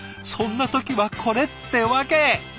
そんな時はこれってわけ。